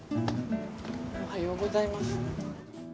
おはようございます。